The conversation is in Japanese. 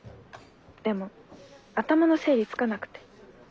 でも頭の整理つかなくて。